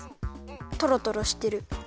トロトロしてる。